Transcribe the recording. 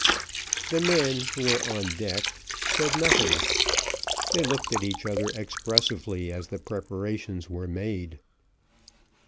The men, who were on deck, said nothing; they looked at each other expressively as the preparations were made.